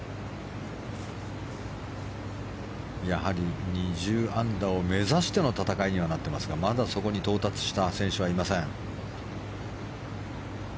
やはり２０アンダーを目指しての戦いにはなっていますがまだそこに到達した選手はいません。